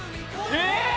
えっ！？